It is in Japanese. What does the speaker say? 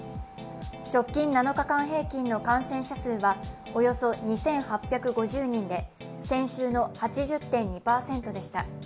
直近７日間平均の感染者数はおよそ２８５０人で先週の８０．２％でした。